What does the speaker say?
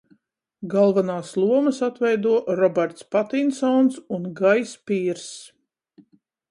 Galvenās lomas atveido Roberts Patinsons un Gajs Pīrss.